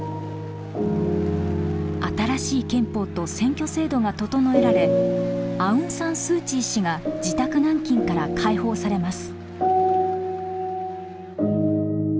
新しい憲法と選挙制度が整えられアウン・サン・スー・チー氏が自宅軟禁から解放されます。